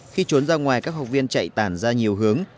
khi trốn ra ngoài các học viên chạy tản ra nhiều hướng